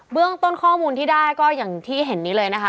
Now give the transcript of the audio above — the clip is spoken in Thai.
เรื่องต้นข้อมูลที่ได้ก็อย่างที่เห็นนี้เลยนะคะ